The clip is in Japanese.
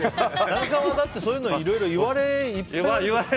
田中はそういうのいろいろ言われるよね。